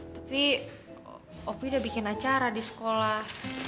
tapi opi udah bikin acara di sekolah